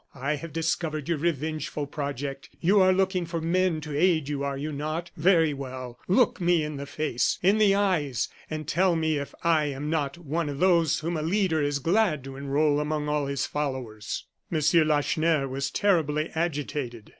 I have discovered your revengeful project. You are looking for men to aid you, are you not? Very well! look me in the face, in the eyes, and tell me if I am not one of those whom a leader is glad to enroll among his followers." M. Lacheneur was terribly agitated.